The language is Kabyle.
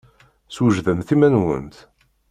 Swejdemt iman-nwent!